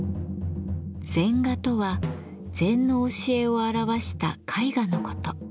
禅画とは禅の教えを表した絵画のこと。